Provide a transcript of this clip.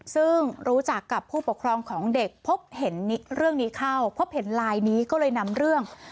ซึ่งรู้จักกับผู้ปกครองของเด็กพบเห็นเรื่องนี้เข้าพบเห็นไลน์นี้ก็เลยนำเรื่อง